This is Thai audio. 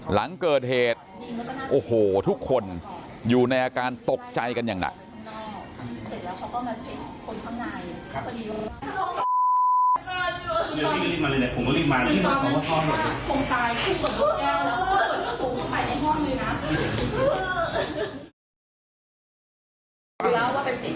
หลังเกิดเหตุโอ้โหทุกคนอยู่ในอาการตกใจกันอย่างหนัก